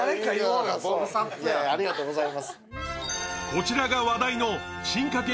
こちらが話題の進化系